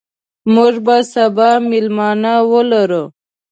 موږ به سبا مېلمانه ولرو.